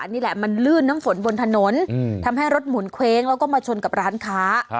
นี่แหละมันลื่นน้ำฝนบนถนนทำให้รถหมุนเคว้งแล้วก็มาชนกับร้านค้า